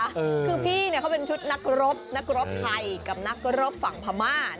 คือพี่เขาเป็นชุดนักรบนักรบไทยกับนักรบฝั่งพม่า